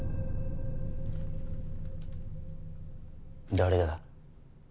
誰だ？